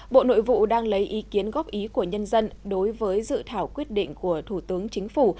bộ nội vụ đang lấy ý kiến góp ý của nhân dân đối với dự thảo quyết định của thủ tướng chính phủ